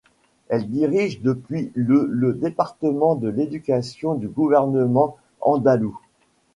Elle dirige depuis le le département de l'Éducation du gouvernement andalou.